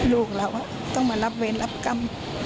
ลูกเราต้องมารับเวรรับกรรม